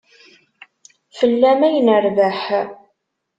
Fell-am ay nerbeḥ.